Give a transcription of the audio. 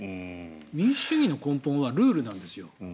民主党の根本はルールなんですよ。